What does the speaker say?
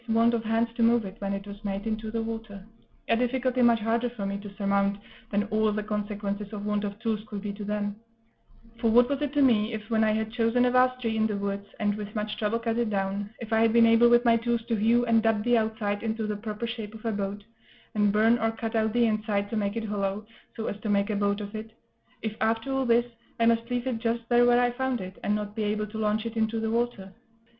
want of hands to move it, when it was made, into the water a difficulty much harder for me to surmount than all the consequences of want of tools could be to them; for what was it to me if, when I had chosen a vast tree in the woods, and with much trouble cut it down, if I had been able with my tools to hew and dub the outside into the proper shape of a boat, and burn or cut out the inside to make it hollow, so as to make a boat of it if, after all this, I must leave it just there where I found it, and not be able to launch it into the water?